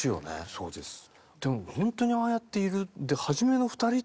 そうですね。